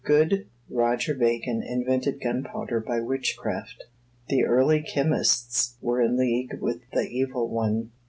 Good Roger Bacon invented gunpowder by witchcraft. The early chemists were in league with the Evil One.